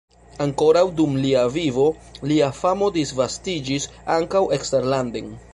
Ankoraŭ dum lia vivo lia famo disvastiĝis ankaŭ eksterlanden.